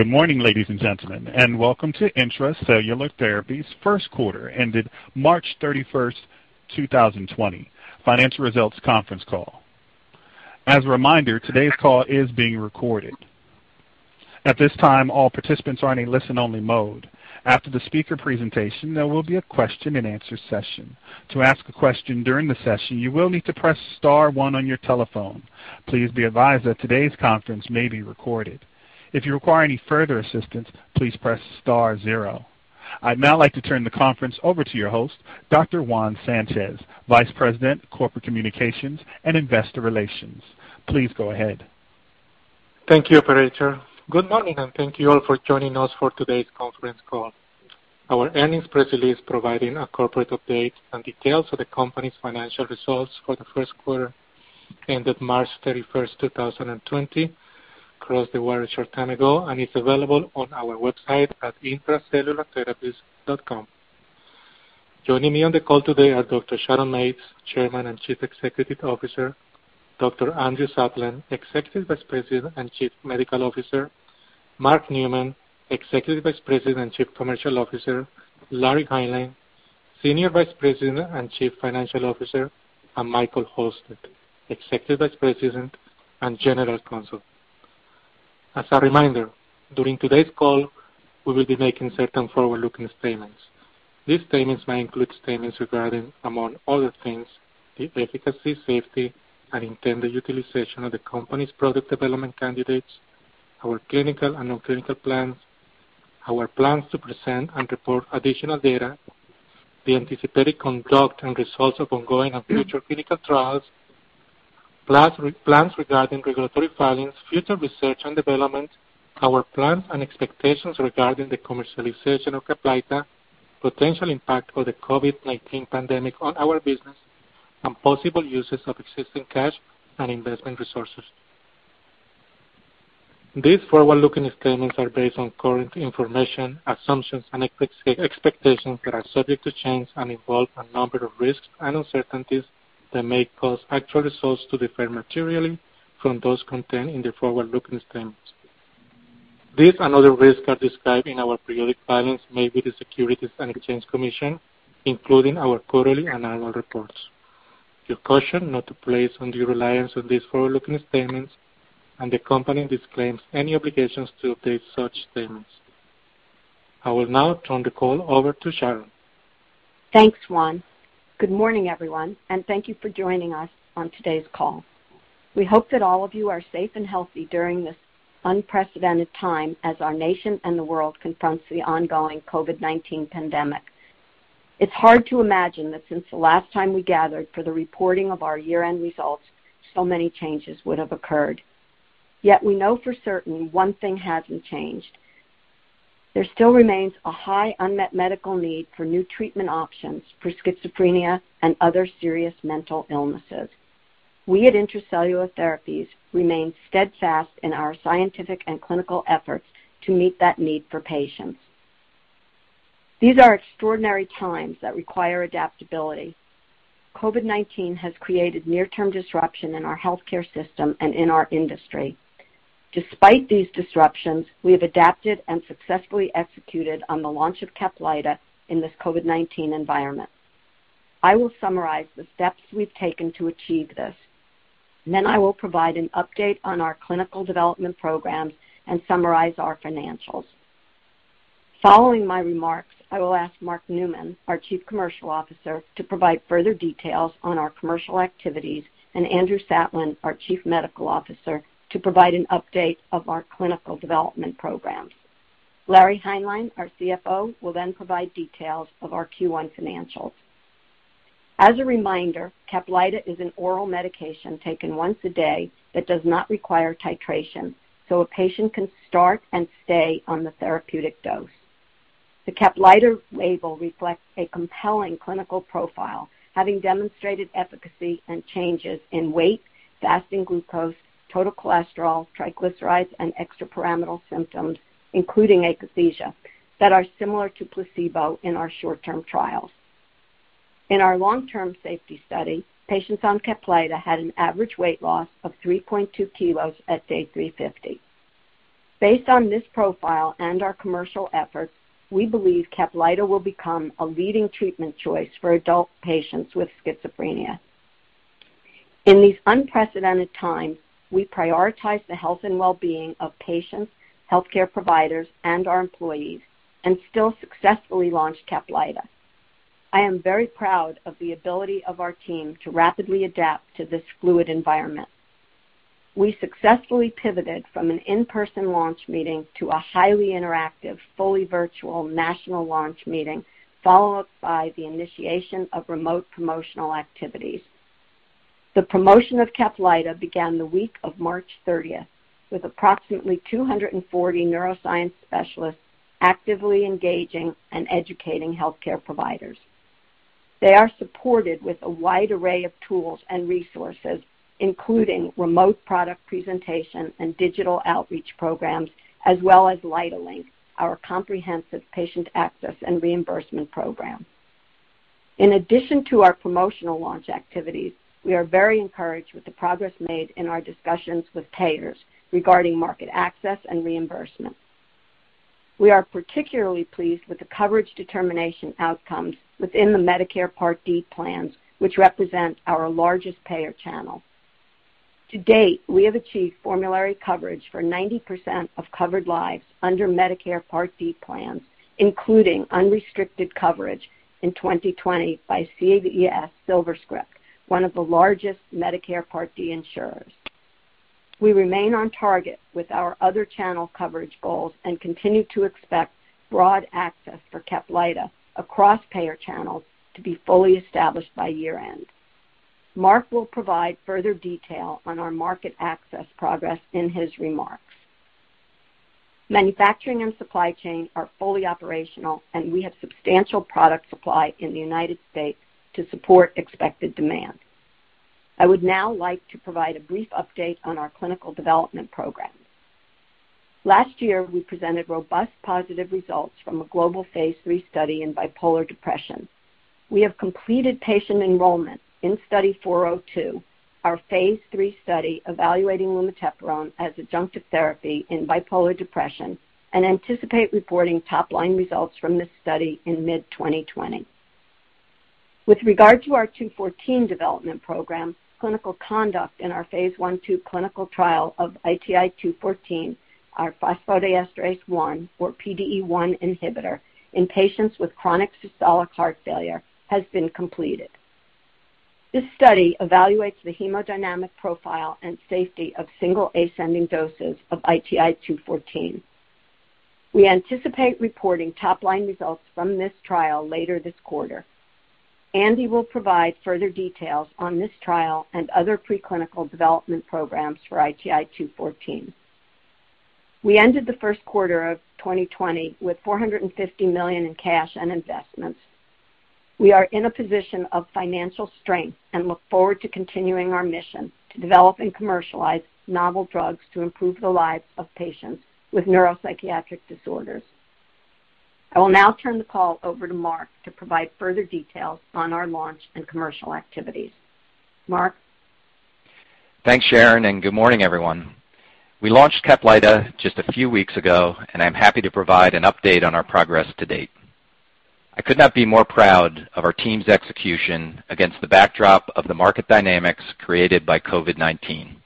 Good morning, ladies and gentlemen, welcome to Intra-Cellular Therapies' first quarter ended March 31st, 2020 financial results conference call. As a reminder, today's call is being recorded. At this time, all participants are in a listen-only mode. After the speaker presentation, there will be a question and answer session. To ask a question during the session, you will need to press star one on your telephone. Please be advised that today's conference may be recorded. If you require any further assistance, please press star zero. I'd now like to turn the conference over to your host, Dr. Juan Sanchez, Vice President of Corporate Communications and Investor Relations. Please go ahead. Thank you, operator. Good morning. Thank you all for joining us for today's conference call. Our earnings press release providing a corporate update and details of the company's financial results for the first quarter ended March 31st, 2020 crossed the wire a short time ago and is available on our website at intracellulartherapies.com. Joining me on the call today are Dr. Sharon Mates, Chairman and Chief Executive Officer, Dr. Andrew Satlin, Executive Vice President and Chief Medical Officer, Mark Neumann, Executive Vice President and Chief Commercial Officer, Lawrence Hineline, Senior Vice President and Chief Financial Officer, and Michael Halstead, Executive Vice President and General Counsel. As a reminder, during today's call, we will be making certain forward-looking statements. These statements may include statements regarding, among other things, the efficacy, safety, and intended utilization of the company's product development candidates, our clinical and non-clinical plans, our plans to present and report additional data, the anticipated conduct and results of ongoing and future clinical trials, plans regarding regulatory filings, future research and development, our plans and expectations regarding the commercialization of CAPLYTA, potential impact of the COVID-19 pandemic on our business, and possible uses of existing cash and investment resources. These forward-looking statements are based on current information, assumptions and expectations that are subject to change and involve a number of risks and uncertainties that may cause actual results to differ materially from those contained in the forward-looking statements. These and other risks are described in our periodic filings made with the Securities and Exchange Commission, including our quarterly and annual reports. You're cautioned not to place undue reliance on these forward-looking statements, and the company disclaims any obligations to update such statements. I will now turn the call over to Sharon Mates. Thanks, Juan Sanchez. Good morning, everyone, and thank you for joining us on today's call. We hope that all of you are safe and healthy during this unprecedented time as our nation and the world confronts the ongoing COVID-19 pandemic. It's hard to imagine that since the last time we gathered for the reporting of our year-end results, so many changes would have occurred. We know for certain one thing hasn't changed. There still remains a high unmet medical need for new treatment options for schizophrenia and other serious mental illnesses. We at Intra-Cellular Therapies remain steadfast in our scientific and clinical efforts to meet that need for patients. These are extraordinary times that require adaptability. COVID-19 has created near-term disruption in our healthcare system and in our industry. Despite these disruptions, we have adapted and successfully executed on the launch of CAPLYTA in this COVID-19 environment. I will summarize the steps we've taken to achieve this. I will provide an update on our clinical development programs and summarize our financials. Following my remarks, I will ask Mark Neumann, our Chief Commercial Officer, to provide further details on our commercial activities, and Andrew Satlin, our Chief Medical Officer, to provide an update of our clinical development programs. Lawrence Hineline, our CFO, will then provide details of our Q1 financials. As a reminder, CAPLYTA is an oral medication taken once a day that does not require titration, so a patient can start and stay on the therapeutic dose. The CAPLYTA label reflects a compelling clinical profile, having demonstrated efficacy and changes in weight, fasting glucose, total cholesterol, triglycerides, and extrapyramidal symptoms, including akathisia, that are similar to placebo in our short-term trials. In our long-term safety study, patients on CAPLYTA had an average weight loss of 3.2 kg at day 350. Based on this profile and our commercial efforts, we believe CAPLYTA will become a leading treatment choice for adult patients with schizophrenia. In these unprecedented times, we prioritize the health and wellbeing of patients, healthcare providers, and our employees, and still successfully launched CAPLYTA. I am very proud of the ability of our team to rapidly adapt to this fluid environment. We successfully pivoted from an in-person launch meeting to a highly interactive, fully virtual national launch meeting, followed by the initiation of remote promotional activities. The promotion of CAPLYTA began the week of March 30th, with approximately 240 neuroscience specialists actively engaging and educating healthcare providers. They are supported with a wide array of tools and resources, including remote product presentations and digital outreach programs, as well as LYTAlink, our comprehensive patient access and reimbursement program. In addition to our promotional launch activities, we are very encouraged with the progress made in our discussions with payers regarding market access and reimbursement. We are particularly pleased with the coverage determination outcomes within the Medicare Part D plans, which represent our largest payer channel. To date, we have achieved formulary coverage for 90% of covered lives under Medicare Part D plans, including unrestricted coverage in 2020 by CVS SilverScript, one of the largest Medicare Part D insurers. We remain on target with our other channel coverage goals and continue to expect broad access for CAPLYTA across payer channels to be fully established by year-end. Mark Neumann will provide further detail on our market access progress in his remarks. Manufacturing and supply chain are fully operational, and we have substantial product supply in the United States to support expected demand. I would now like to provide a brief update on our clinical development programs. Last year, we presented robust positive results from a global phase III study in bipolar depression. We have completed patient enrollment in Study 402, our phase III study evaluating lumateperone as adjunctive therapy in bipolar depression, and anticipate reporting top-line results from this study in mid-2020. With regard to our 214 development program, clinical conduct in our phase I/II clinical trial of ITI-214, our phosphodiesterase-1 or PDE1 inhibitor in patients with chronic systolic heart failure, has been completed. This study evaluates the hemodynamic profile and safety of single ascending doses of ITI-214. We anticipate reporting top-line results from this trial later this quarter. Andrew Satlin will provide further details on this trial and other preclinical development programs for ITI-214. We ended the first quarter of 2020 with $450 million in cash and investments. We are in a position of financial strength and look forward to continuing our mission to develop and commercialize novel drugs to improve the lives of patients with neuropsychiatric disorders. I will now turn the call over to Mark Neumann to provide further details on our launch and commercial activities. Mark? Thanks, Sharon Mates, and good morning, everyone. We launched CAPLYTA just a few weeks ago, and I'm happy to provide an update on our progress to date. I could not be more proud of our team's execution against the backdrop of the market dynamics created by COVID-19.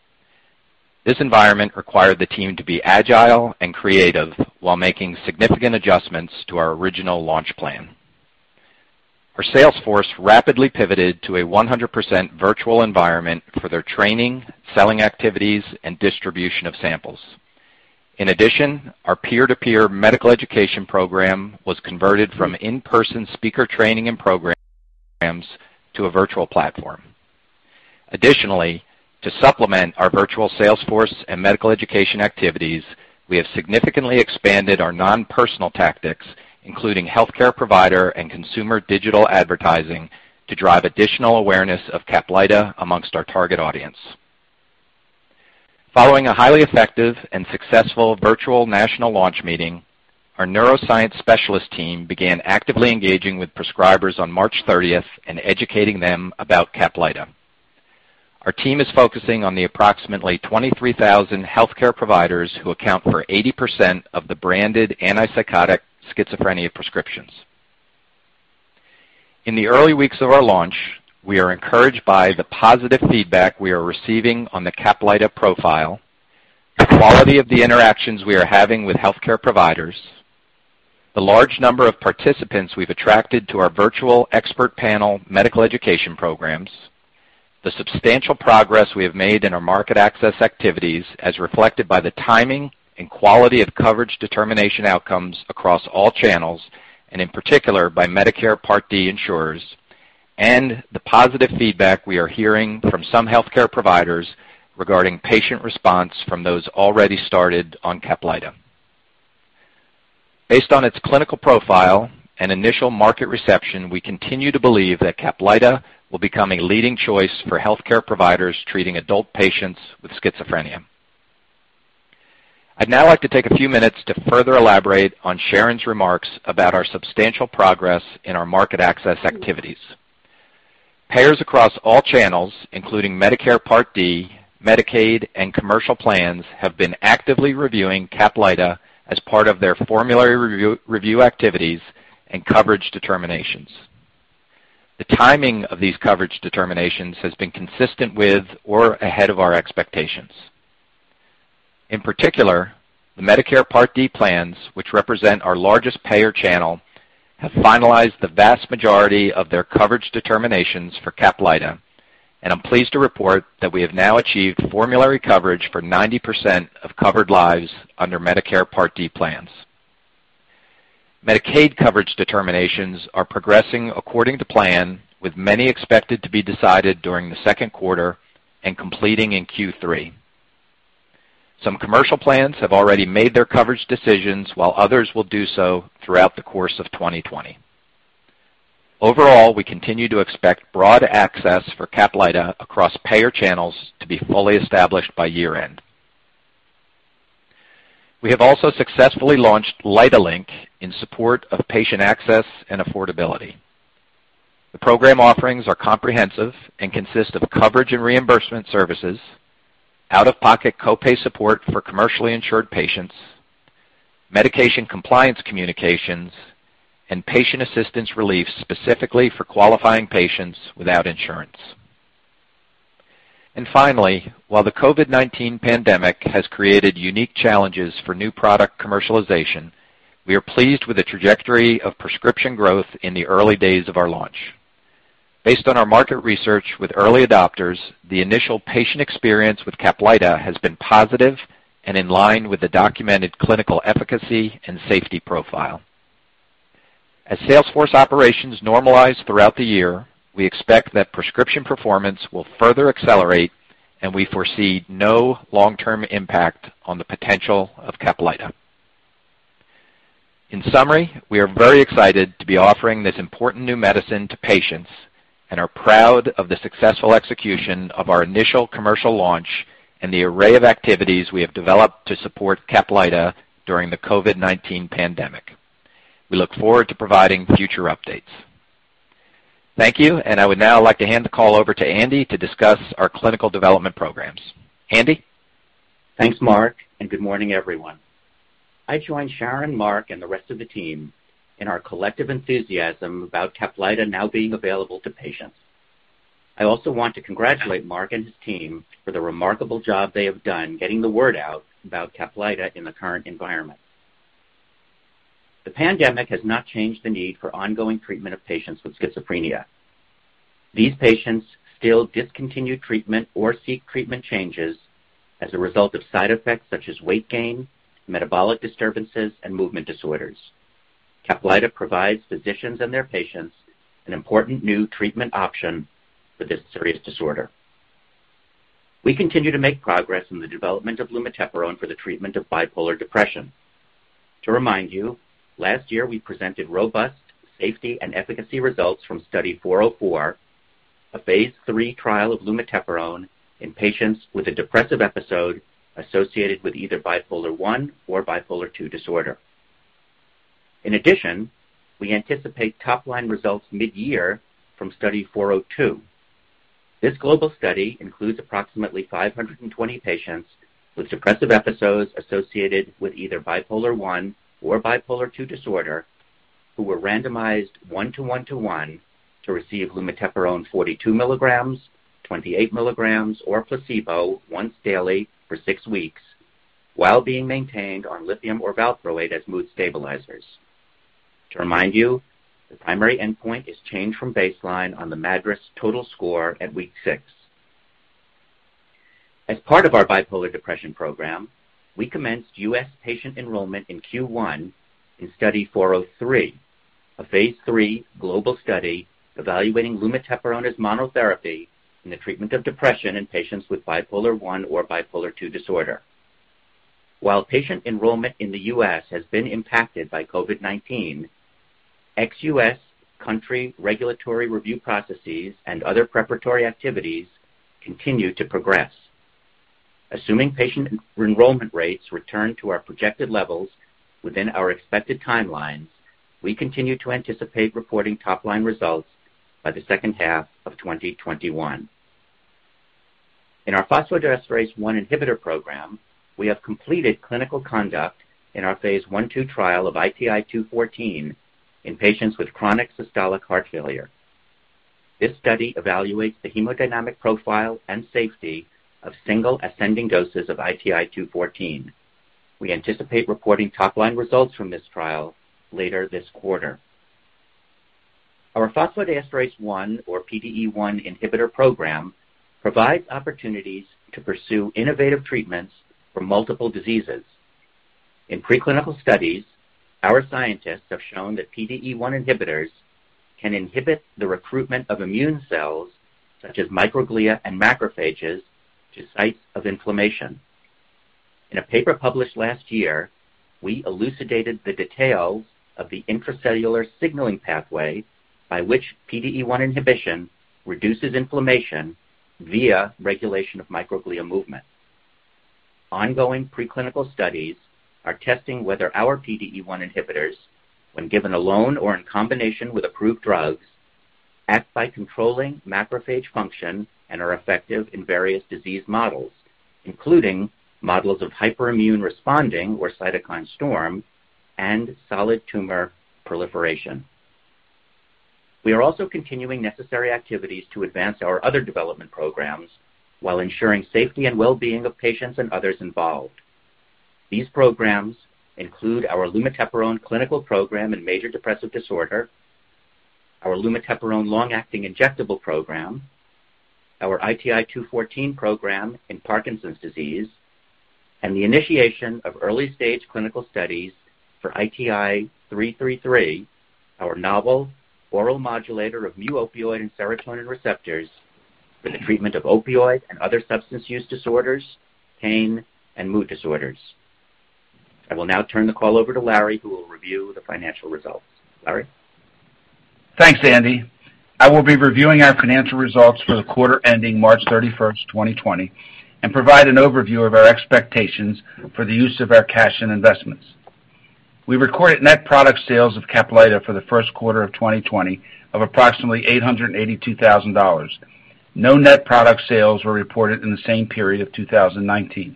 This environment required the team to be agile and creative while making significant adjustments to our original launch plan. Our sales force rapidly pivoted to a 100% virtual environment for their training, selling activities, and distribution of samples. In addition, our peer-to-peer medical education program was converted from in-person speaker training and programs to a virtual platform. Additionally, to supplement our virtual sales force and medical education activities, we have significantly expanded our non-personal tactics, including healthcare provider and consumer digital advertising, to drive additional awareness of CAPLYTA amongst our target audience. Following a highly effective and successful virtual national launch meeting, our neuroscience specialist team began actively engaging with prescribers on March 30th and educating them about CAPLYTA. Our team is focusing on the approximately 23,000 healthcare providers who account for 80% of the branded antipsychotic schizophrenia prescriptions. In the early weeks of our launch, we are encouraged by the positive feedback we are receiving on the CAPLYTA profile, the quality of the interactions we are having with healthcare providers, the large number of participants we've attracted to our virtual expert panel medical education programs, the substantial progress we have made in our market access activities as reflected by the timing and quality of coverage determination outcomes across all channels, and in particular by Medicare Part D insurers, and the positive feedback we are hearing from some healthcare providers regarding patient response from those already started on CAPLYTA. Based on its clinical profile and initial market reception, we continue to believe that CAPLYTA will become a leading choice for healthcare providers treating adult patients with schizophrenia. I'd now like to take a few minutes to further elaborate on Sharon's remarks about our substantial progress in our market access activities. Payers across all channels, including Medicare Part D, Medicaid, and commercial plans, have been actively reviewing CAPLYTA as part of their formulary review activities and coverage determinations. The timing of these coverage determinations has been consistent with or ahead of our expectations. In particular, the Medicare Part D plans, which represent our largest payer channel, have finalized the vast majority of their coverage determinations for CAPLYTA, and I'm pleased to report that we have now achieved formulary coverage for 90% of covered lives under Medicare Part D plans. Medicaid coverage determinations are progressing according to plan, with many expected to be decided during the second quarter and completing in Q3. Some commercial plans have already made their coverage decisions, while others will do so throughout the course of 2020. Overall, we continue to expect broad access for CAPLYTA across payer channels to be fully established by year-end. We have also successfully launched LYTAlink in support of patient access and affordability. The program offerings are comprehensive and consist of coverage and reimbursement services, out-of-pocket co-pay support for commercially insured patients, medication compliance communications, and patient assistance relief specifically for qualifying patients without insurance. Finally, while the COVID-19 pandemic has created unique challenges for new product commercialization, we are pleased with the trajectory of prescription growth in the early days of our launch. Based on our market research with early adopters, the initial patient experience with CAPLYTA has been positive and in line with the documented clinical efficacy and safety profile. As sales force operations normalize throughout the year, we expect that prescription performance will further accelerate, and we foresee no long-term impact on the potential of CAPLYTA. In summary, we are very excited to be offering this important new medicine to patients and are proud of the successful execution of our initial commercial launch and the array of activities we have developed to support CAPLYTA during the COVID-19 pandemic. We look forward to providing future updates. Thank you, and I would now like to hand the call over to Andrew Satlin to discuss our clinical development programs. Andrew Satlin? Thanks, Mark Neumann. Good morning, everyone. I join Sharon Mates, Mark Neumann, and the rest of the team in our collective enthusiasm about CAPLYTA now being available to patients. I also want to congratulate Mark Neumann and his team for the remarkable job they have done getting the word out about CAPLYTA in the current environment. The pandemic has not changed the need for ongoing treatment of patients with schizophrenia. These patients still discontinue treatment or seek treatment changes as a result of side effects such as weight gain, metabolic disturbances, and movement disorders. CAPLYTA provides physicians and their patients an important new treatment option for this serious disorder. We continue to make progress in the development of lumateperone for the treatment of bipolar depression. To remind you, last year, we presented robust safety and efficacy results from Study 404, a phase III trial of lumateperone in patients with a depressive episode associated with either bipolar I or bipolar II disorder. In addition, we anticipate top-line results mid-year from Study 402. This global study includes approximately 520 patients with depressive episodes associated with either bipolar I or bipolar II disorder who were randomized one-to-one-to-one to receive lumateperone 42 mg, 28 mg, or placebo once daily for six weeks while being maintained on lithium or valproate as mood stabilizers. To remind you, the primary endpoint is change from baseline on the MADRS total score at week six. As part of our bipolar depression program, we commenced U.S. patient enrollment in Q1 in Study 403, a phase III global study evaluating lumateperone as monotherapy in the treatment of depression in patients with bipolar I or bipolar II disorder. While patient enrollment in the U.S. has been impacted by COVID-19, ex-U.S. country regulatory review processes and other preparatory activities continue to progress. Assuming patient enrollment rates return to our projected levels within our expected timelines, we continue to anticipate reporting top-line results by the second half of 2021. In our phosphodiesterase-1 inhibitor program, we have completed clinical conduct in our phase I/II trial of ITI-214 in patients with chronic systolic heart failure. This study evaluates the hemodynamic profile and safety of single ascending doses of ITI-214. We anticipate reporting top-line results from this trial later this quarter. Our phosphodiesterase-1 or PDE1 inhibitor program provides opportunities to pursue innovative treatments for multiple diseases. In preclinical studies, our scientists have shown that PDE1 inhibitors can inhibit the recruitment of immune cells, such as microglia and macrophages to sites of inflammation. In a paper published last year, we elucidated the details of the intracellular signaling pathway by which PDE1 inhibition reduces inflammation via regulation of microglia movement. Ongoing preclinical studies are testing whether our PDE1 inhibitors, when given alone or in combination with approved drugs, act by controlling macrophage function and are effective in various disease models, including models of hyperimmune responding or cytokine storm and solid tumor proliferation. We are also continuing necessary activities to advance our other development programs while ensuring safety and well-being of patients and others involved. These programs include our lumateperone clinical program in major depressive disorder, our lumateperone long-acting injectable program, our ITI-214 program in Parkinson's disease, and the initiation of early-stage clinical studies for ITI-333, our novel oral modulator of mu opioid and serotonin receptors for the treatment of opioid and other substance use disorders, pain, and mood disorders. I will now turn the call over to Lawrence Hineline, who will review the financial results. Lawrence Hineline? Thanks, Andrew Satlin. I will be reviewing our financial results for the quarter ending March 31st, 2020, and provide an overview of our expectations for the use of our cash and investments. We recorded net product sales of CAPLYTA for the first quarter of 2020 of approximately $882,000. No net product sales were reported in the same period of 2019.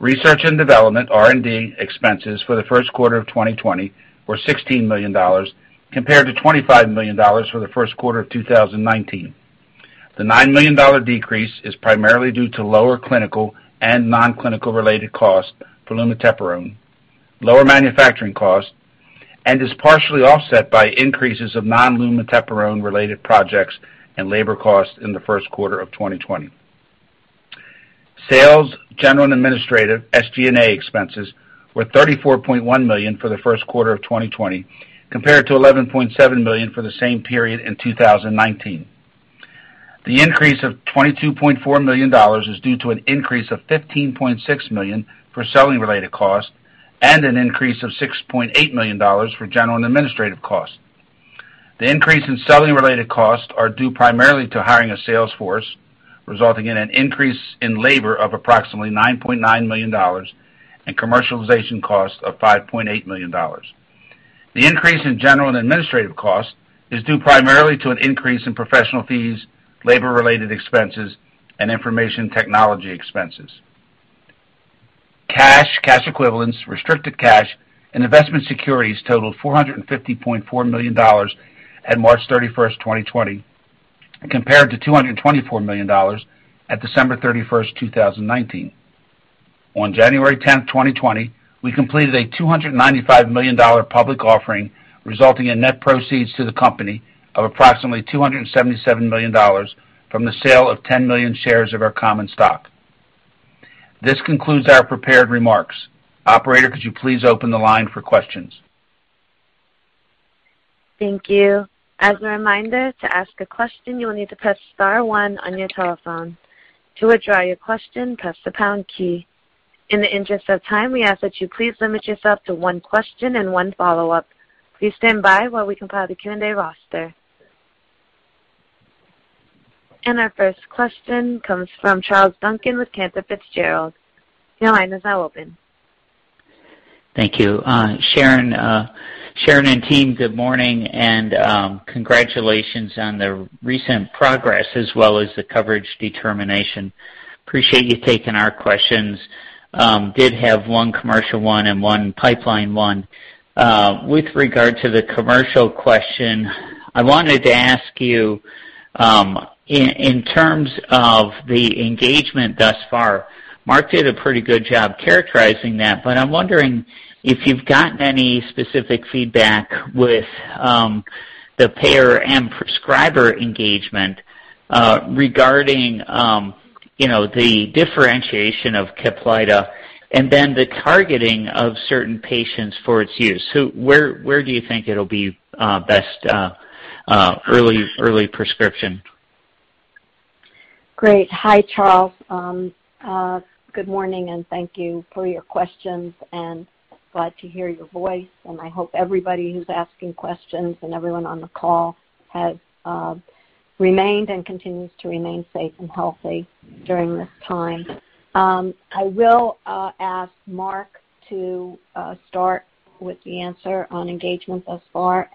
Research and development, R&D, expenses for the first quarter of 2020 were $16 million compared to $25 million for the first quarter of 2019. The $9 million decrease is primarily due to lower clinical and non-clinical related costs for lumateperone, lower manufacturing costs, and is partially offset by increases of non lumateperone related projects and labor costs in the first quarter of 2020. Sales, general and administrative, SG&A expenses, were $34.1 million for the first quarter of 2020, compared to $11.7 million for the same period in 2019. The increase of $22.4 million is due to an increase of $15.6 million for selling-related costs and an increase of $6.8 million for general and administrative costs. The increase in selling-related costs are due primarily to hiring a sales force, resulting in an increase in labor of approximately $9.9 million and commercialization costs of $5.8 million. The increase in general and administrative costs is due primarily to an increase in professional fees, labor-related expenses, and information technology expenses. Cash, cash equivalents, restricted cash, and investment securities totaled $450.4 million at March 31st, 2020, compared to $224 million at December 31st, 2019. On January 10th, 2020, we completed a $295 million public offering, resulting in net proceeds to the company of approximately $277 million from the sale of 10 million shares of our common stock. This concludes our prepared remarks. Operator, could you please open the line for questions? Thank you. As a reminder, to ask a question, you will need to press star one on your telephone. To withdraw your question, press the pound key. In the interest of time, we ask that you please limit yourself to one question and one follow-up. Please stand by while we compile the Q&A roster. Our first question comes from Charles Duncan with Cantor Fitzgerald. Your line is now open. Thank you. Sharon Mates and team, good morning and congratulations on the recent progress as well as the coverage determination. Appreciate you taking our questions. Did have one commercial one and one pipeline one. With regard to the commercial question, I wanted to ask you, in terms of the engagement thus far, Mark Neumann did a pretty good job characterizing that, but I'm wondering if you've gotten any specific feedback with the payer and prescriber engagement regarding the differentiation of CAPLYTA and then the targeting of certain patients for its use. Where do you think it'll be best early prescription? Great. Hi, Charles Duncan. Good morning, and thank you for your questions, and glad to hear your voice. I hope everybody who's asking questions and everyone on the call has remained and continues to remain safe and healthy during this time. I will ask Mark Neumann to start with the answer on engagement thus far.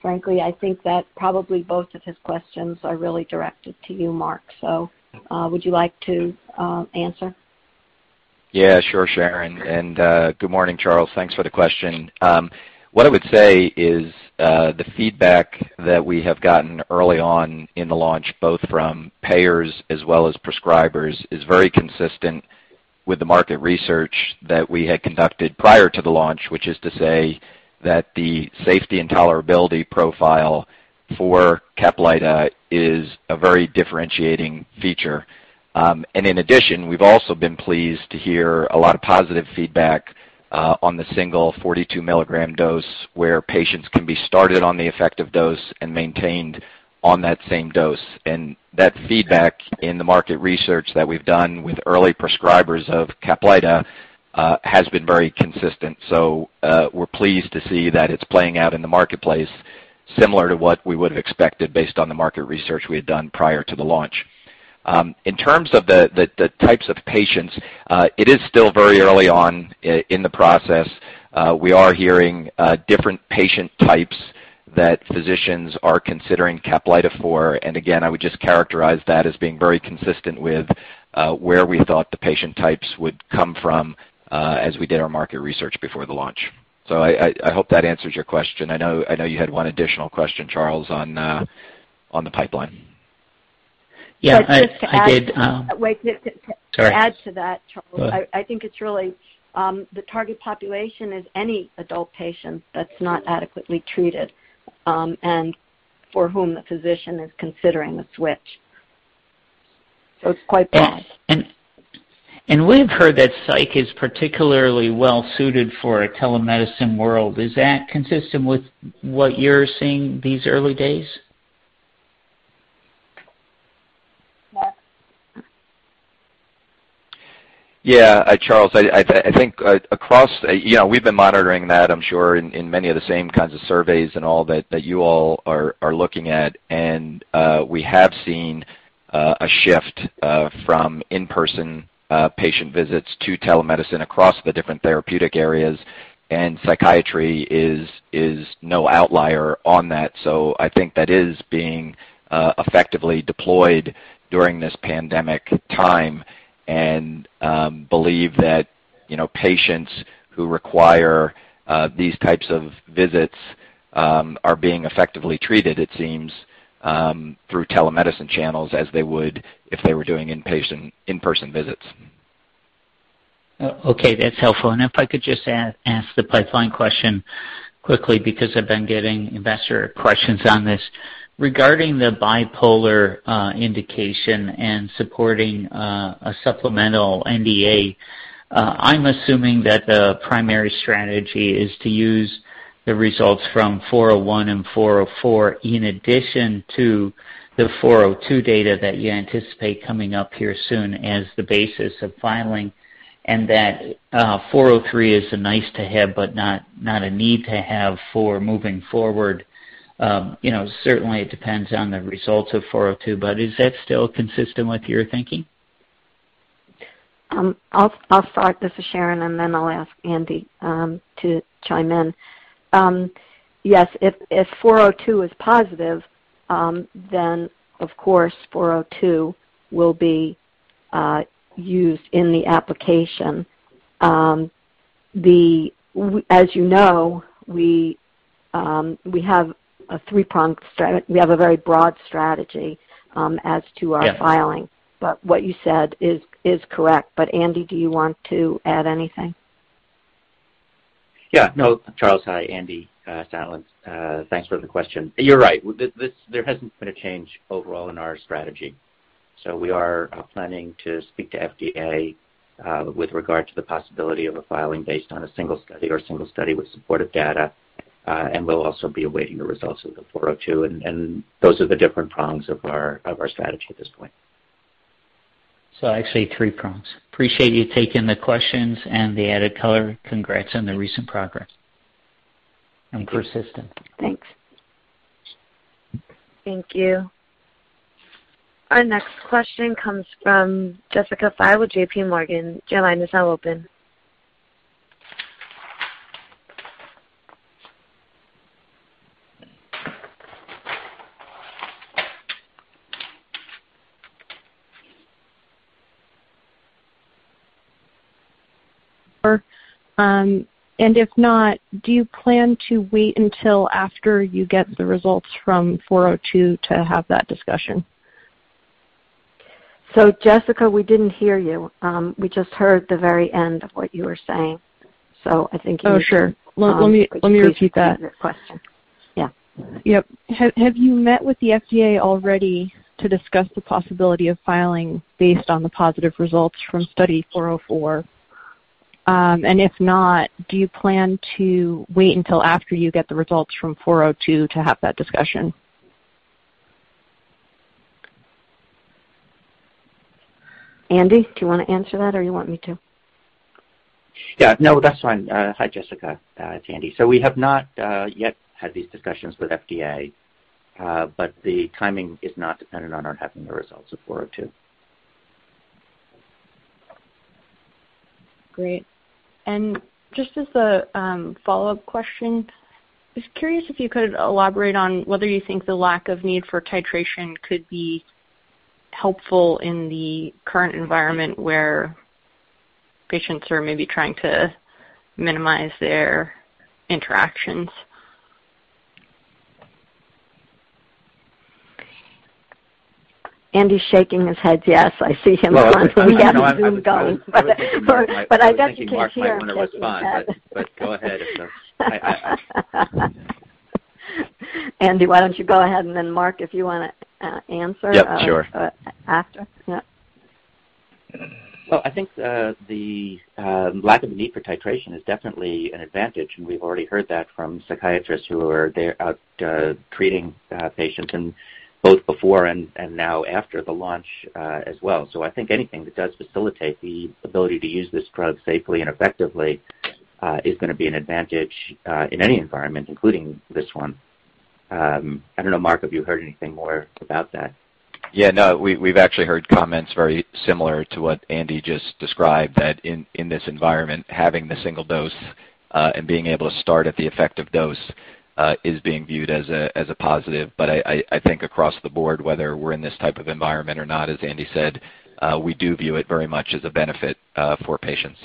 Frankly, I think that probably both of his questions are really directed to you, Mark Neumann. Would you like to answer? Yeah, sure, Sharon Mates. Good morning, Charles Duncan. Thanks for the question. What I would say is the feedback that we have gotten early on in the launch, both from payers as well as prescribers, is very consistent with the market research that we had conducted prior to the launch, which is to say that the safety and tolerability profile for CAPLYTA is a very differentiating feature. In addition, we've also been pleased to hear a lot of positive feedback on the single 42 mg dose where patients can be started on the effective dose and maintained on that same dose. That feedback in the market research that we've done with early prescribers of CAPLYTA has been very consistent. We're pleased to see that it's playing out in the marketplace similar to what we would have expected based on the market research we had done prior to the launch. In terms of the types of patients, it is still very early on in the process. We are hearing different patient types that physicians are considering CAPLYTA for. Again, I would just characterize that as being very consistent with where we thought the patient types would come from as we did our market research before the launch. I hope that answers your question. I know you had one additional question, Charles Duncan, on the pipeline. Yeah, I did. Wait. To add to that, Charles Duncan. Go ahead. I think it's really the target population is any adult patient that's not adequately treated, and for whom the physician is considering a switch. It's quite broad. Yeah. We've heard that psych is particularly well suited for a telemedicine world. Is that consistent with what you're seeing these early days? Yeah. Charles Duncan, we've been monitoring that, I'm sure, in many of the same kinds of surveys and all that you all are looking at. We have seen a shift from in-person patient visits to telemedicine across the different therapeutic areas, and psychiatry is no outlier on that. I think that is being effectively deployed during this pandemic time and believe that patients who require these types of visits are being effectively treated, it seems, through telemedicine channels as they would if they were doing in-person visits. Okay. That's helpful. If I could just ask the pipeline question quickly, because I've been getting investor questions on this. Regarding the bipolar indication and supporting a supplemental NDA, I'm assuming that the primary strategy is to use the results from Study 401 and Study 404 in addition to the Study 402 data that you anticipate coming up here soon as the basis of filing, and that Study 403 is a nice-to-have but not a need-to-have for moving forward. Certainly it depends on the results of Study 402, but is that still consistent with your thinking? I'll start. This is Sharon Mates, and then I'll ask Andrew Satlin to chime in. Yes, if Study 402 is positive, then of course Study 402 will be used in the application. As you know, we have a very broad strategy as to our filing. What you said is correct. Andrew Satlin, do you want to add anything? Yeah, no. Charles Duncan, hi. Andrew Satlin. Thanks for the question. You're right. There hasn't been a change overall in our strategy. We are planning to speak to FDA with regard to the possibility of a filing based on a single study or a single study with supportive data. We'll also be awaiting the results of the Study 402. Those are the different prongs of our strategy at this point. Actually three prongs. Appreciate you taking the questions and the added color. Congrats on the recent progress and persistence. Thanks. Thank you. Our next question comes from Jessica Fye with JPMorgan. Your line is now open. If not, do you plan to wait until after you get the results from Study 402 to have that discussion? Jessica Fye, we didn't hear you. We just heard the very end of what you were saying. Oh, sure. Let me repeat that. Repeat the question. Yeah. Yep. Have you met with the FDA already to discuss the possibility of filing based on the positive results from Study 404? If not, do you plan to wait until after you get the results from Study 402 to have that discussion? Andrew Satlin, do you want to answer that or you want me to? Yeah, no, that's fine. Hi, Jessica Fye. It's Andrew Satlin. We have not yet had these discussions with FDA, but the timing is not dependent on our having the results of Study 402. Great. Just as a follow-up question, just curious if you could elaborate on whether you think the lack of need for titration could be helpful in the current environment where patients are maybe trying to minimize their interactions. Andrew's shaking his head yes. I see him once we have Zoom going. I was thinking Mark Neumann might want to respond, but go ahead if that's. Andrew Satlin, why don't you go ahead and then Mark Neumann, if you want to answer- Yep, sure. after. Yep. I think the lack of need for titration is definitely an advantage, and we've already heard that from psychiatrists who are out treating patients and both before and now after the launch as well. I think anything that does facilitate the ability to use this drug safely and effectively is going to be an advantage in any environment, including this one. I don't know, Mark Neumann, have you heard anything more about that? Yeah, no. We've actually heard comments very similar to what Andrew Satlin just described, that in this environment, having the single dose and being able to start at the effective dose is being viewed as a positive. I think across the board, whether we're in this type of environment or not, as Andrew Satlin said, we do view it very much as a benefit for patients.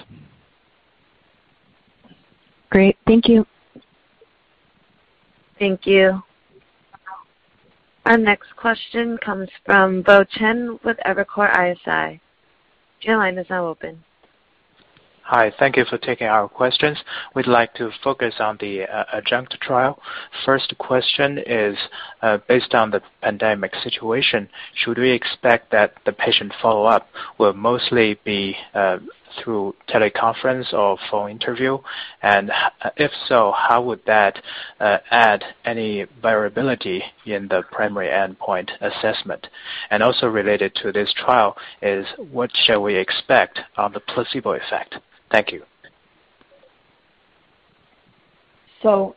Great. Thank you. Thank you. Our next question comes from Bo Chen with Evercore ISI. Your line is now open. Hi. Thank you for taking our questions. We'd like to focus on the adjunct trial. First question is, based on the pandemic situation, should we expect that the patient follow-up will mostly be through teleconference or phone interview? If so, how would that add any variability in the primary endpoint assessment? Also related to this trial is what shall we expect on the placebo effect? Thank you. Andrew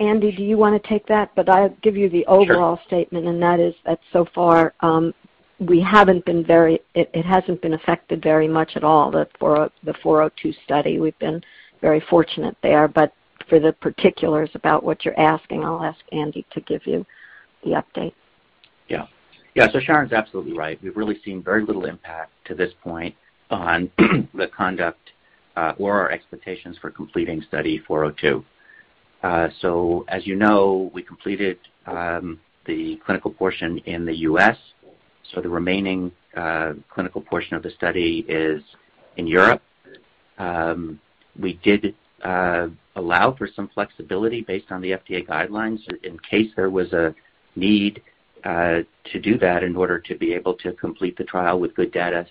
Satlin, do you want to take that? I'll give you the overall statement, and that is that so far it hasn't been affected very much at all, the Study 402. We've been very fortunate there. For the particulars about what you're asking, I'll ask Andrew Satlin to give you the update. Yeah. Sharon Mates is absolutely right. We've really seen very little impact to this point on the conduct or our expectations for completing Study 402. As you know, we completed the clinical portion in the U.S., so the remaining clinical portion of the study is in Europe. We did allow for some flexibility based on the FDA guidelines in case there was a need to do that in order to be able to complete the trial with good data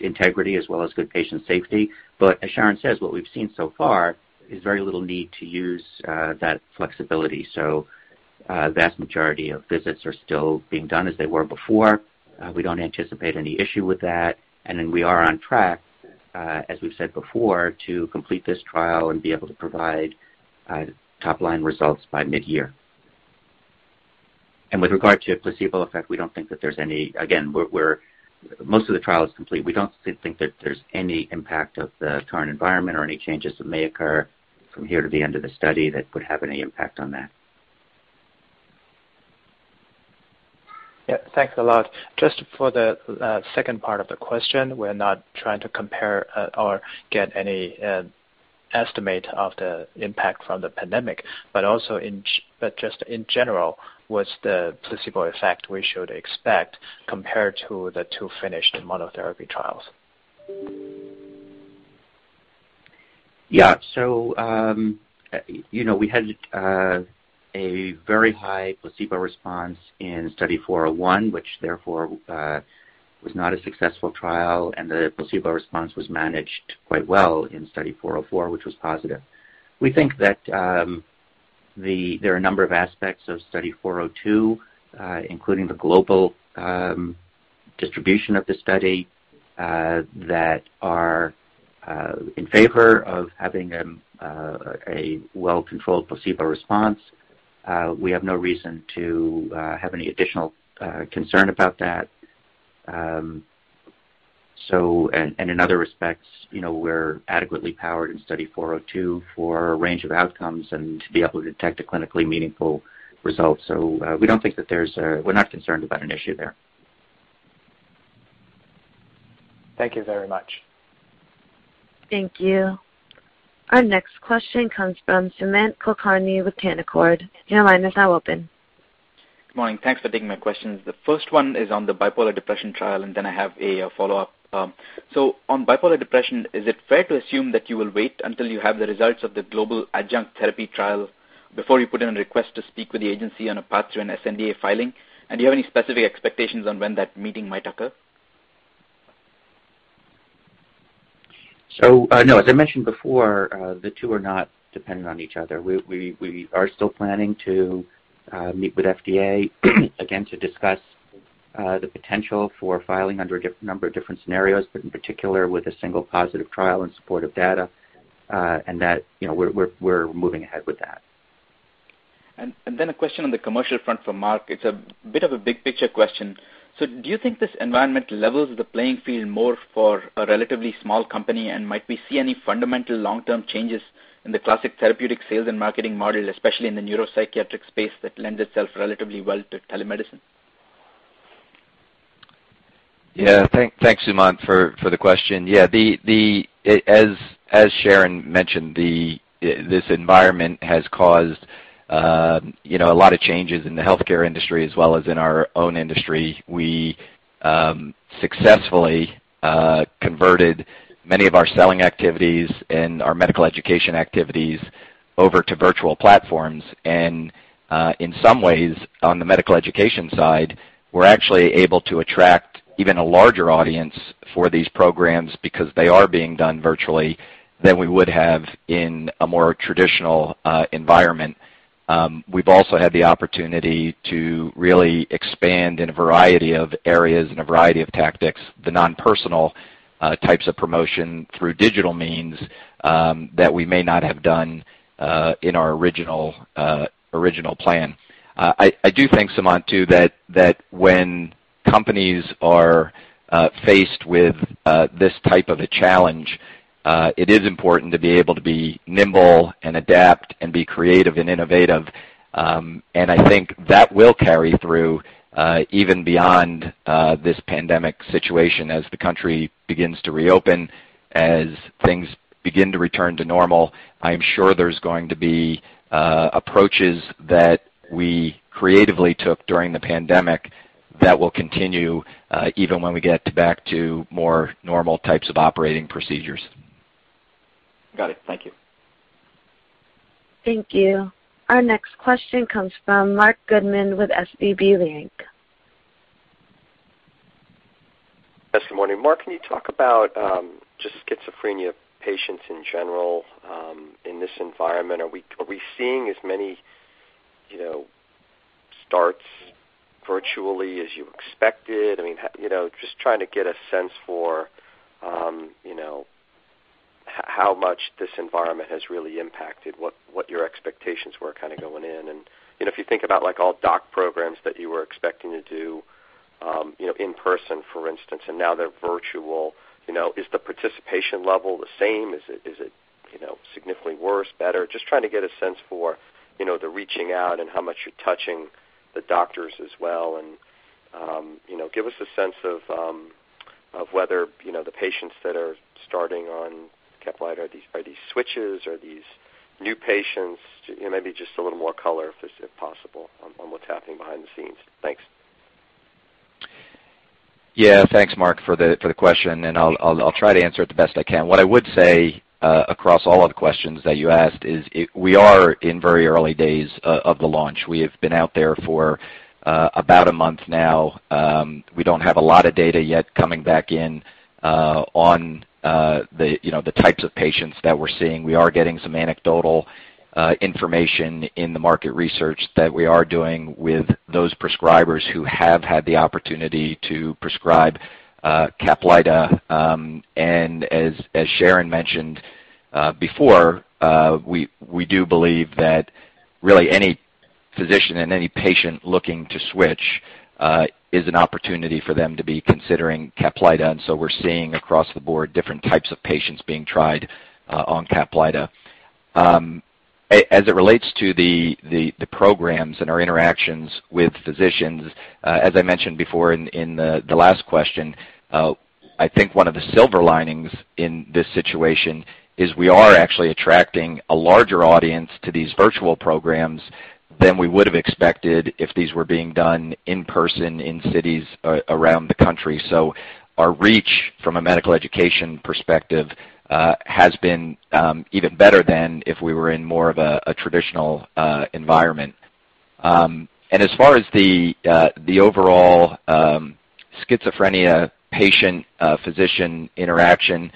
integrity as well as good patient safety. As Sharon Mates says, what we've seen so far is very little need to use that flexibility. The vast majority of visits are still being done as they were before. We don't anticipate any issue with that. We are on track, as we've said before, to complete this trial and be able to provide top-line results by mid-year. With regard to placebo effect, we don't think that there's any. Again, most of the trial is complete. We don't think that there's any impact of the current environment or any changes that may occur from here to the end of the study that would have any impact on that. Yeah. Thanks a lot. Just for the second part of the question, we're not trying to compare or get any estimate of the impact from the pandemic, but just in general, what's the placebo effect we should expect compared to the two finished monotherapy trials? We had a very high placebo response in Study 401, which therefore was not a successful trial, and the placebo response was managed quite well in Study 404, which was positive. We think that there are a number of aspects of Study 402, including the global distribution of the study, that are in favor of having a well-controlled placebo response. We have no reason to have any additional concern about that. In other respects, we're adequately powered in Study 402 for a range of outcomes and to be able to detect a clinically meaningful result. We're not concerned about an issue there. Thank you very much. Thank you. Our next question comes from Sumant Kulkarni with Canaccord. Your line is now open. Good morning. Thanks for taking my questions. The first one is on the bipolar depression trial, and then I have a follow-up. On bipolar depression, is it fair to assume that you will wait until you have the results of the global adjunct therapy trial before you put in a request to speak with the agency on a path to an sNDA filing? Do you have any specific expectations on when that meeting might occur? No, as I mentioned before, the two are not dependent on each other. We are still planning to meet with FDA again to discuss the potential for filing under a number of different scenarios, but in particular, with a single positive trial and supportive data. That we're moving ahead with that. A question on the commercial front for Mark Neumann. It's a bit of a big-picture question. Do you think this environment levels the playing field more for a relatively small company? Might we see any fundamental long-term changes in the classic therapeutic sales and marketing model, especially in the neuropsychiatric space that lends itself relatively well to telemedicine? Thanks, Sumant Kulkarni, for the question. As Sharon Mates mentioned, this environment has caused a lot of changes in the healthcare industry as well as in our own industry. We successfully converted many of our selling activities and our medical education activities over to virtual platforms. In some ways, on the medical education side, we're actually able to attract even a larger audience for these programs because they are being done virtually than we would have in a more traditional environment. We've also had the opportunity to really expand in a variety of areas and a variety of tactics, the non-personal types of promotion through digital means that we may not have done in our original plan. I do think, Sumant Kulkarni, too, that when companies are faced with this type of a challenge, it is important to be able to be nimble and adapt and be creative and innovative. I think that will carry through even beyond this pandemic situation as the country begins to reopen. As things begin to return to normal, I am sure there's going to be approaches that we creatively took during the pandemic that will continue even when we get back to more normal types of operating procedures. Got it. Thank you. Thank you. Our next question comes from Marc Goodman with SVB Leerink. Yes, good morning. Mark Neumann, can you talk about just schizophrenia patients in general in this environment? Are we seeing as many virtually as you expected? Just trying to get a sense for how much this environment has really impacted what your expectations were going in. If you think about all doc programs that you were expecting to do in person, for instance, and now they're virtual, is the participation level the same? Is it significantly worse, better? Just trying to get a sense for the reaching out and how much you're touching the doctors as well, and give us a sense of whether the patients that are starting on CAPLYTA are these switches, are these new patients? Maybe just a little more color, if possible, on what's happening behind the scenes. Thanks. Yeah. Thanks, Marc Goodman, for the question, and I'll try to answer it the best I can. What I would say, across all of the questions that you asked, is we are in very early days of the launch. We have been out there for about a month now. We don't have a lot of data yet coming back in on the types of patients that we're seeing. We are getting some anecdotal information in the market research that we are doing with those prescribers who have had the opportunity to prescribe CAPLYTA. As Sharon Mates mentioned before, we do believe that really any physician and any patient looking to switch is an opportunity for them to be considering CAPLYTA, and so we're seeing across the board different types of patients being tried on CAPLYTA. As it relates to the programs and our interactions with physicians, as I mentioned before in the last question, I think one of the silver linings in this situation is we are actually attracting a larger audience to these virtual programs than we would've expected if these were being done in person in cities around the country. Our reach from a medical education perspective has been even better than if we were in more of a traditional environment. As far as the overall schizophrenia patient-physician interaction,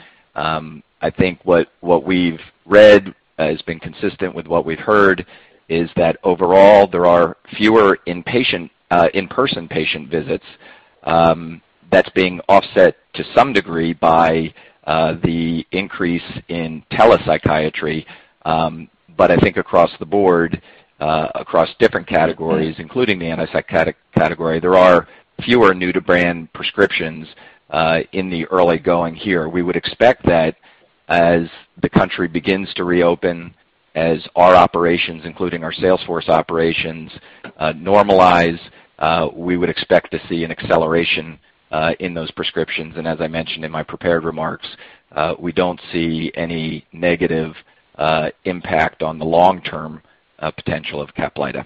I think what we've read has been consistent with what we've heard, is that overall there are fewer in-person patient visits. That's being offset to some degree by the increase in telepsychiatry. I think across the board, across different categories, including the antipsychotic category, there are fewer new to brand prescriptions in the early going here. We would expect that as the country begins to reopen, as our operations, including our sales force operations, normalize, we would expect to see an acceleration in those prescriptions. As I mentioned in my prepared remarks, we don't see any negative impact on the long-term potential of CAPLYTA.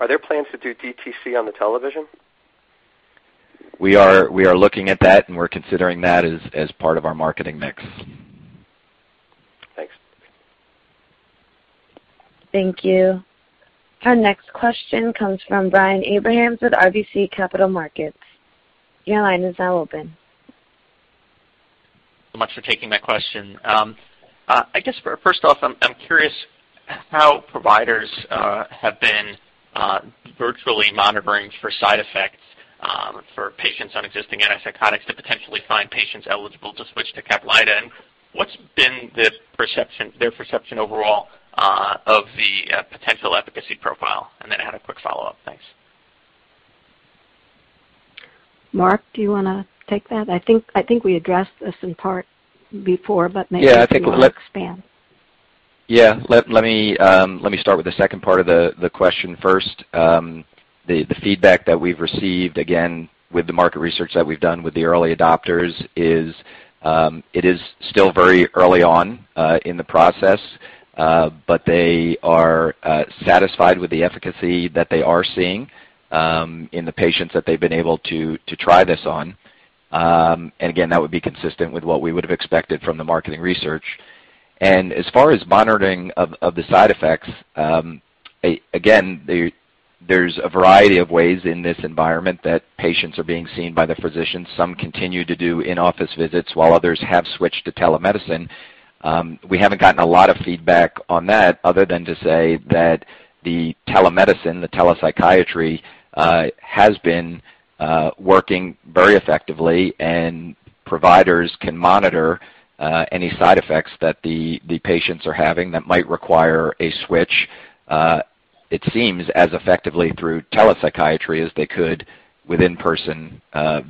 Are there plans to do DTC on the television? We are looking at that, and we're considering that as part of our marketing mix. Thanks. Thank you. Our next question comes from Brian Abrahams at RBC Capital Markets. Your line is now open. Much for taking my question. I guess, first off, I'm curious how providers have been virtually monitoring for side effects for patients on existing antipsychotics to potentially find patients eligible to switch to CAPLYTA, and what's been their perception overall of the potential efficacy profile? Then I had a quick follow-up. Thanks. Mark Neumann, do you want to take that? I think we addressed this in part before, but maybe you can expand. Let me start with the second part of the question first. The feedback that we've received, again, with the market research that we've done with the early adopters is, it is still very early on in the process, but they are satisfied with the efficacy that they are seeing in the patients that they've been able to try this on. Again, that would be consistent with what we would have expected from the marketing research. As far as monitoring of the side effects, again, there's a variety of ways in this environment that patients are being seen by the physician. Some continue to do in-office visits while others have switched to telemedicine. We haven't gotten a lot of feedback on that other than to say that the telemedicine, the telepsychiatry, has been working very effectively, and providers can monitor any side effects that the patients are having that might require a switch. It seems as effectively through telepsychiatry as they could with in-person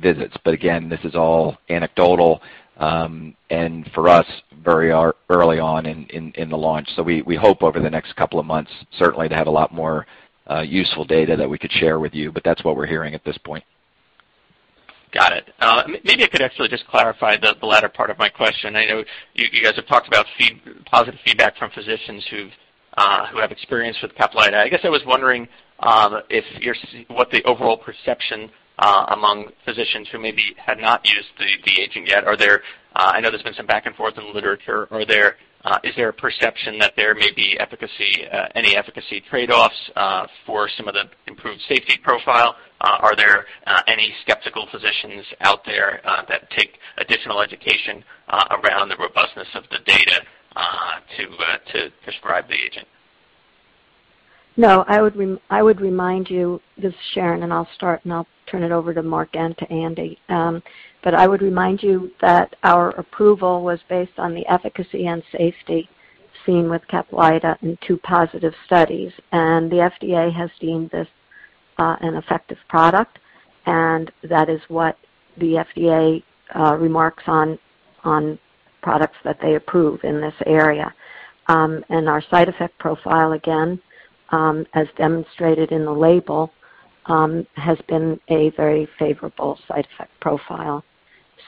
visits. Again, this is all anecdotal, and for us, very early on in the launch. We hope over the next couple of months certainly to have a lot more useful data that we could share with you, but that's what we're hearing at this point. Got it. Maybe I could actually just clarify the latter part of my question. I know you guys have talked about positive feedback from physicians who have experience with CAPLYTA. I guess I was wondering what the overall perception among physicians who maybe have not used the agent yet. I know there's been some back and forth in the literature. Is there a perception that there may be any efficacy trade-offs for some of the improved safety profile? Are there any skeptical physicians out there that take additional education around the robustness of the data to prescribe the agent? No, I would remind you, this is Sharon Mates, and I'll start and I'll turn it over to Mark Neumann and to Andrew Satlin. I would remind you that our approval was based on the efficacy and safety seen with CAPLYTA in two positive studies. The FDA has deemed this an effective product, and that is what the FDA remarks on products that they approve in this area. Our side effect profile, again, as demonstrated in the label, has been a very favorable side effect profile.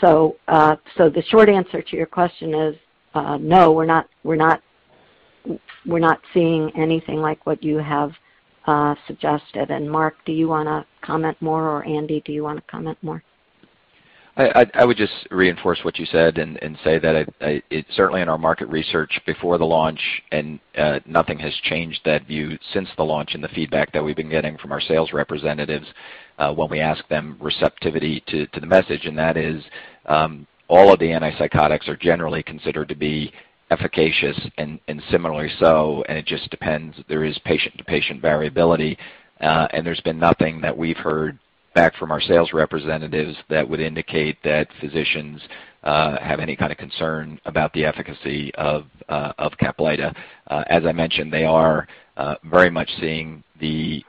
The short answer to your question is no, we're not seeing anything like what you have suggested. Mark Neumann, do you want to comment more, or Andrew Satlin, do you want to comment more? I would just reinforce what you said and say that certainly in our market research before the launch, and nothing has changed that view since the launch and the feedback that we've been getting from our sales representatives when we ask them receptivity to the message. That is, all of the antipsychotics are generally considered to be efficacious and similarly so, and it just depends. There is patient-to-patient variability. There's been nothing that we've heard back from our sales representatives that would indicate that physicians have any kind of concern about the efficacy of CAPLYTA. As I mentioned, they are very much seeing the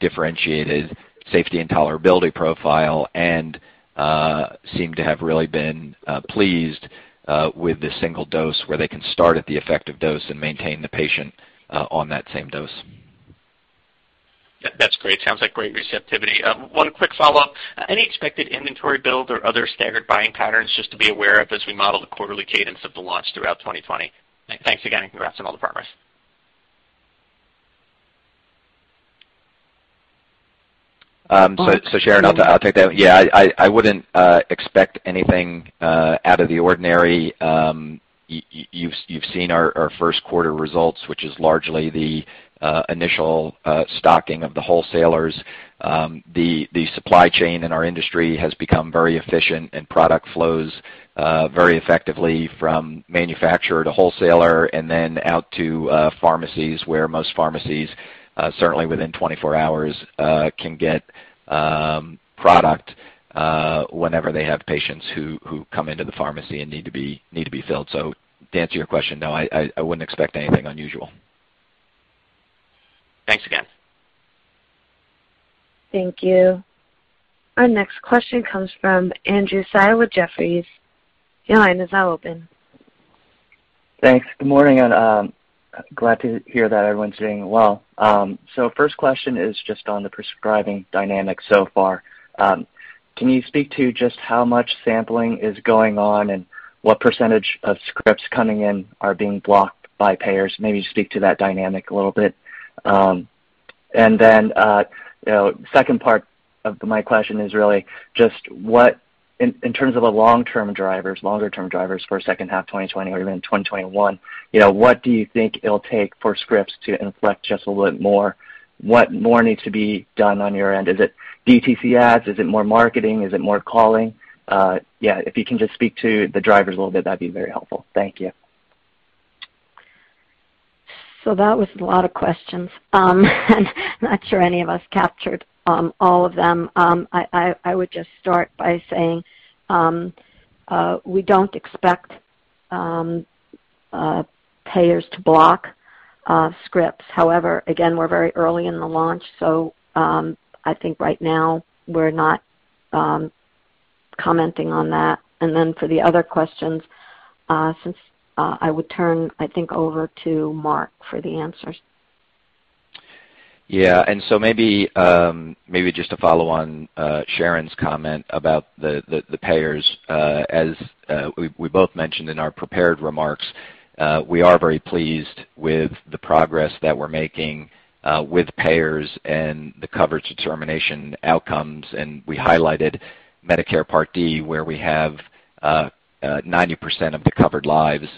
differentiated safety and tolerability profile and seem to have really been pleased with the single dose where they can start at the effective dose and maintain the patient on that same dose. That's great. Sounds like great receptivity. One quick follow-up. Any expected inventory build or other staggered buying patterns just to be aware of as we model the quarterly cadence of the launch throughout 2020? Thanks again, and congrats on all the progress. Sharon Mates, I'll take that one. Yeah, I wouldn't expect anything out of the ordinary. You've seen our first quarter results, which is largely the initial stocking of the wholesalers. The supply chain in our industry has become very efficient, and product flows very effectively from manufacturer to wholesaler and then out to pharmacies where most pharmacies, certainly within 24 hours, can get product whenever they have patients who come into the pharmacy and need to be filled. To answer your question, no, I wouldn't expect anything unusual. Thanks again. Thank you. Our next question comes from Andrew Tsai with Jefferies. Your line is now open. Thanks. Good morning. Glad to hear that everyone's doing well. First question is just on the prescribing dynamic so far. Can you speak to just how much sampling is going on and what percentage of scripts coming in are being blocked by payers? Maybe just speak to that dynamic a little bit. Second part of my question is really just what, in terms of the long-term drivers, longer term drivers for second half 2020 or even 2021, what do you think it will take for scripts to inflect just a little bit more? What more needs to be done on your end? Is it DTC ads? Is it more marketing? Is it more calling? Yeah, if you can just speak to the drivers a little bit, that'd be very helpful. Thank you. That was a lot of questions. I'm not sure any of us captured all of them. I would just start by saying, we don't expect payers to block scripts. However, again, we're very early in the launch, so I think right now we're not commenting on that. For the other questions, since I would turn, I think, over to Mark Neumann for the answers. Yeah. Maybe just to follow on Sharon's comment about the payers. As we both mentioned in our prepared remarks, we are very pleased with the progress that we're making with payers and the coverage determination outcomes. We highlighted Medicare Part D, where we have 90% of the covered lives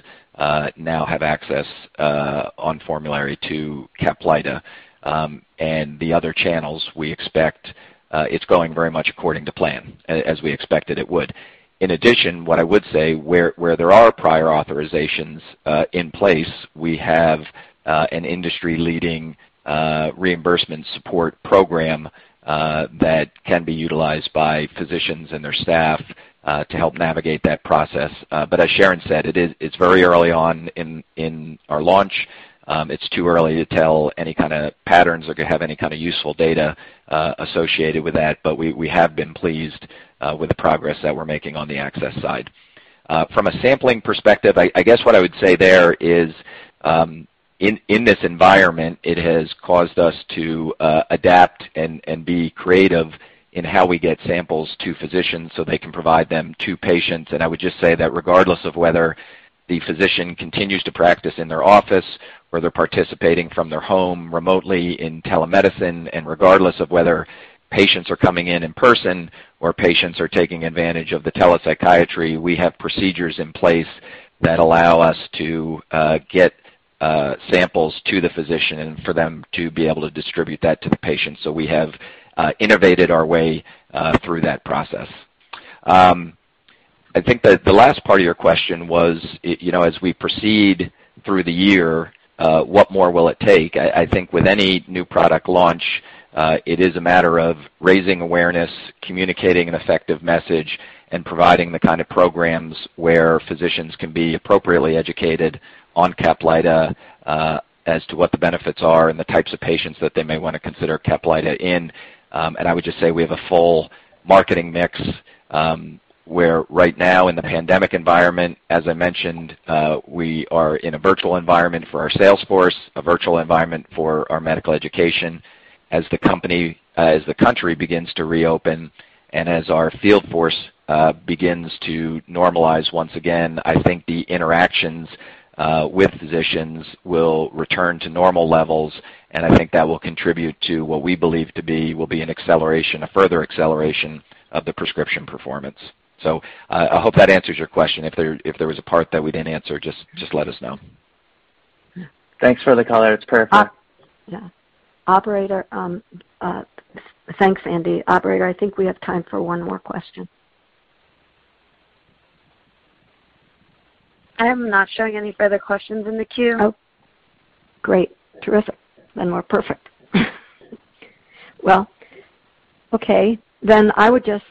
now have access on formulary to CAPLYTA. The other channels, we expect it's going very much according to plan, as we expected it would. In addition, what I would say, where there are prior authorizations in place, we have an industry-leading reimbursement support program that can be utilized by physicians and their staff to help navigate that process. As Sharon Mates said, it's very early on in our launch. It's too early to tell any kind of patterns or have any kind of useful data associated with that. We have been pleased with the progress that we're making on the access side. From a sampling perspective, I guess what I would say there is, in this environment, it has caused us to adapt and be creative in how we get samples to physicians so they can provide them to patients. I would just say that regardless of whether the physician continues to practice in their office or they're participating from their home remotely in telemedicine, and regardless of whether patients are coming in in person or patients are taking advantage of the telepsychiatry, we have procedures in place that allow us to get samples to the physician and for them to be able to distribute that to the patient. We have innovated our way through that process. I think that the last part of your question was, as we proceed through the year, what more will it take? I think with any new product launch, it is a matter of raising awareness, communicating an effective message, and providing the kind of programs where physicians can be appropriately educated on CAPLYTA as to what the benefits are and the types of patients that they may want to consider CAPLYTA in. I would just say we have a full marketing mix, where right now in the pandemic environment, as I mentioned, we are in a virtual environment for our sales force, a virtual environment for our medical education. As the country begins to reopen, and as our field force begins to normalize once again, I think the interactions with physicians will return to normal levels, and I think that will contribute to what we believe to be will be a further acceleration of the prescription performance. I hope that answers your question. If there was a part that we didn't answer, just let us know. Thanks for the color. It's perfect. Yeah. Thanks, Andrew Satlin. Operator, I think we have time for one more question. I'm not showing any further questions in the queue. Great. Terrific. We're perfect. Okay. I would just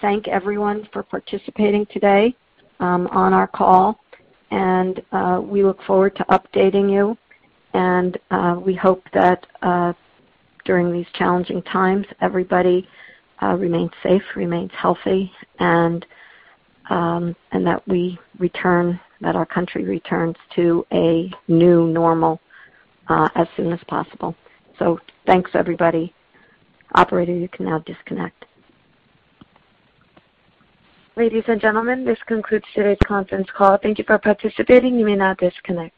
thank everyone for participating today on our call. We look forward to updating you. We hope that during these challenging times, everybody remains safe, remains healthy, and that our country returns to a new normal as soon as possible. Thanks, everybody. Operator, you can now disconnect. Ladies and gentlemen, this concludes today's conference call. Thank you for participating. You may now disconnect.